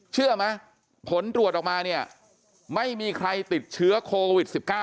เชื่อไหมผลตรวจออกมาเนี่ยไม่มีใครติดเชื้อโควิด๑๙